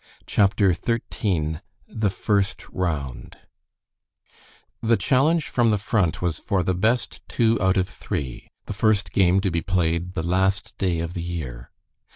CHAPTER XIII THE FIRST ROUND The challenge from the Front was for the best two out of three, the first game to be played the last day of the year.